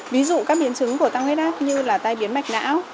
ví dụ các biến chứng của tăng huyết áp như là tai biến mạch não